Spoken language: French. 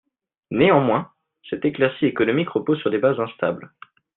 Néanmoins, cette éclaircie économique repose sur des bases instables.